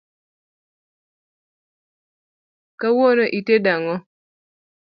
Kawuono itedo ang’o?